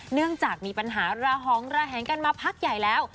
เนื่องจากมีปัญหาระหองระแหงกันมาพักใหญ่แล้ว